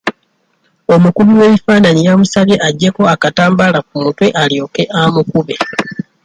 Omukubi w'ebifaananyi yamusabye agyeko akatambaala ku mutwe alyoke amukube.